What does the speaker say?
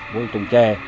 mô hình trồng trè